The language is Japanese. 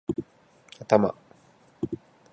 頭